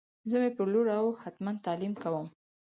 زه می پر لور او هتمن تعلیم کوم